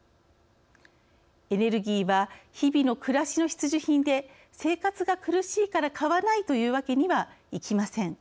エネルギーは日々の暮らしの必需品で生活が苦しいから買わないというわけにはいきません。